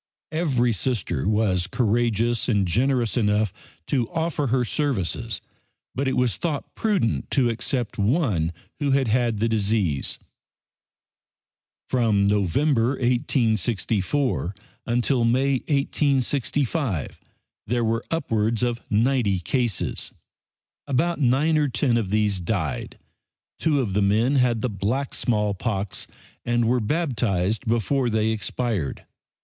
Every Sister was courageous and generous enough to offer her services, but it was thought prudent to accept one who had had the disease. From November, 1864, until May, 1865, there were upwards of ninety cases. About nine or ten of these died. Two of the men had the black smallpox, and were baptized before they expired.